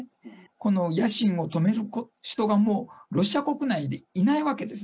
この野心を止める人がもうロシア国内にいないわけです。